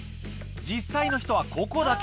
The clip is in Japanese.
実際の人はここだけ。